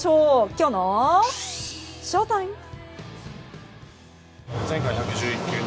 きょうのＳＨＯＴＩＭＥ。